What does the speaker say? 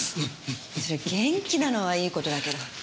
そりゃ元気なのはいい事だけど。